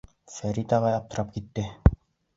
Фәрит ағай аптырап китте.